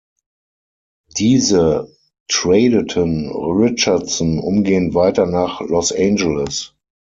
Diese tradeten Richardson umgehend weiter nach Los Angeles.